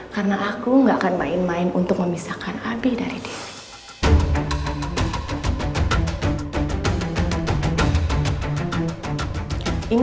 karena aku tidak akan main main untuk memisahkan abi dari diri